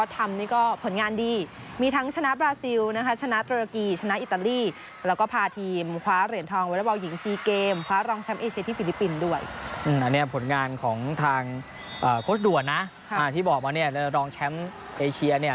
ที่บอกว่าเราจะรองแชมป์เอเชีย